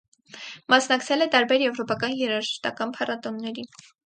Մասնակցել է տարբեր եվրոպական երաժշտական փառատոնների։